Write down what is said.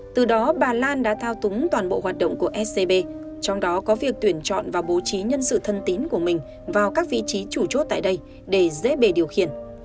từ đó bà lan đã thao túng toàn bộ hoạt động của scb trong đó có việc tuyển chọn và bố trí nhân sự thân tín của mình vào các vị trí chủ chốt tại đây để dễ bề điều khiển